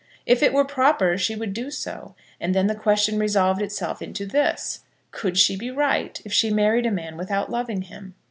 If it were proper, she would do so; and then the question resolved itself into this; Could she be right if she married a man without loving him?